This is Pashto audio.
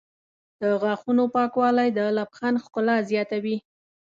د غاښونو پاکوالی د لبخند ښکلا زیاتوي.